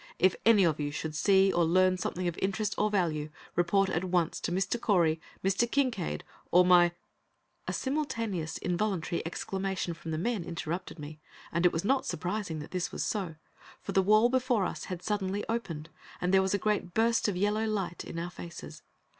If any of you should see or learn something of interest or value, report at once to Mr. Correy, Mr. Kincaide or my " A simultaneous, involuntary exclamation from the men interrupted me, and it was not surprising that this was so, for the wall before us had suddenly opened, and there was a great burst of yellow light in our faces.